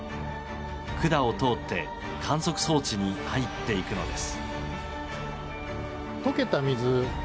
管を通って観測装置に入っていくのです。